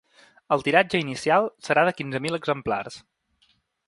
El tiratge inicial serà de quinze mil exemplars.